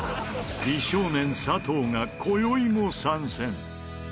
美少年佐藤が今宵も参戦。